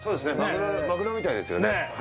マグロみたいですよね。